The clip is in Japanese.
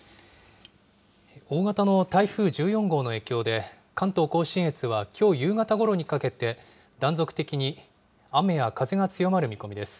大型の台風１４号の影響で、関東甲信越ではきょう夕方ごろにかけて、断続的に雨や風が強まる見込みです。